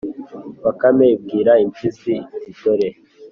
bakame ibwira impyisi iti, dore,